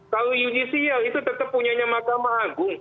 kalau judicial itu tetap punyanya mahkamah agung